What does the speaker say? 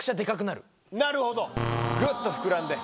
なるほどぐっと膨らんで。